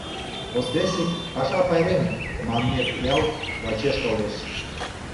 «Воскресник — паша пайрем» манмет ялт лачеш толеш.